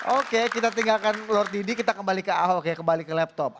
oke kita tinggalkan lord didi kita kembali ke ahok ya kembali ke laptop